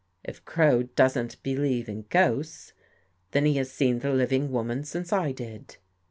If Crow doesn't believe in ghosts, then he has seen the living woman since I did."